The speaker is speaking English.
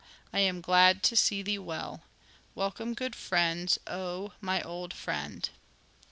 I am glad to see thee well. Welcome good friends. O ! my old friend."